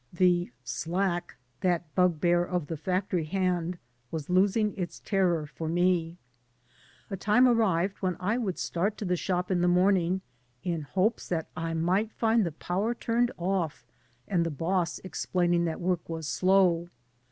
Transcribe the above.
The "slack/* that bugbear of the factory hand, was losing its terror for me. A time arrived when I would start to the shop in the morning in hopes that I might find the power turned off and the boss explaining that work was "slow."